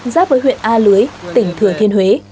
giáp với huyện a lưới tỉnh thừa thiên huế